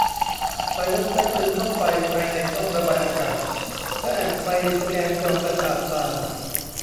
สายลับแทรกซึมเข้าไปภายในช่องระบายอากาศและแอบไปสแกนจอประสาทตา